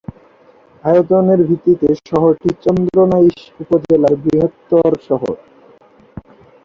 আয়তনের ভিত্তিতে শহরটি চন্দনাইশ উপজেলার বৃহত্তম শহর।